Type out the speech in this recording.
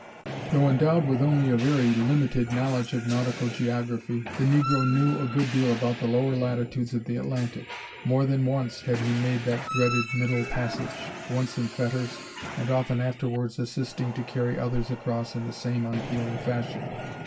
Though endowed with only a very limited knowledge of nautical geography, the negro knew a good deal about the lower latitudes of the Atlantic. More than once had he made that dreaded middle passage, once in fetters, and often afterwards assisting to carry others across in the same unfeeling fashion.